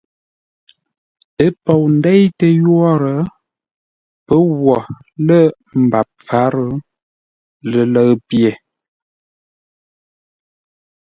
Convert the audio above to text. Ə́ pou ndeitə́ yórə́, pə́ wo lə̂ mbap mpfarə́, lələʉ pye.